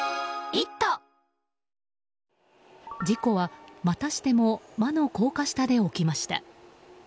事故はまたしても魔の高架下で起きました。